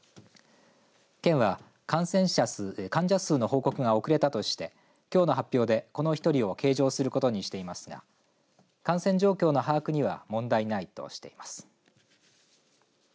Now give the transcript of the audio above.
県は患者数の報告が遅れたとしてきょうの発表で、この１人を計上することにしていますが感染状況の把握には問題ないとしています。